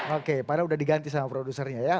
oke padahal udah diganti sama produsernya ya